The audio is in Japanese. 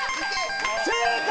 正解！